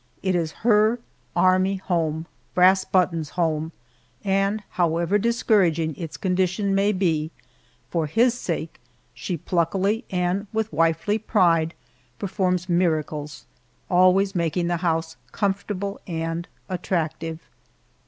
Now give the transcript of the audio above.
It is her army home Brass Button's home and however discouraging its condition may be, for his sake she pluckily, and with wifely pride, performs miracles, always making the house comfortable and attractive.